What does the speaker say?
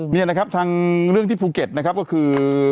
นี่นะครับทางเรื่องที่ภูเก็ตนะครับก็คือ